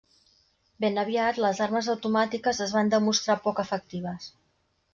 Ben aviat les armes automàtiques es van demostrar poc efectives.